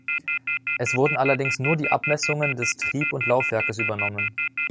Es wurden allerdings nur die Abmessungen des Trieb- und Laufwerkes übernommen.